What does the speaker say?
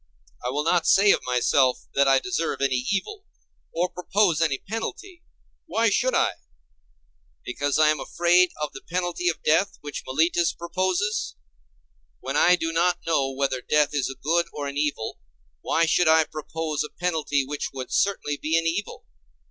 I will not say of myself that I deserve any evil, or propose any penalty. Why should I? Because I am afraid of the penalty of death which Meletus proposes? When I do not know whether death is a good or an evil, why should I propose a penalty which would certainly be an evil?